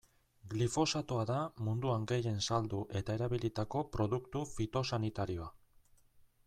Glifosatoa da munduan gehien saldu eta erabilitako produktu fitosanitarioa.